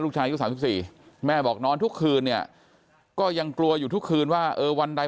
อายุ๓๔แม่บอกนอนทุกคืนเนี่ยก็ยังกลัวอยู่ทุกคืนว่าเออวันใด